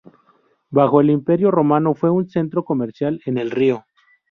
Bajo el Imperio romano fue un centro comercial en el río.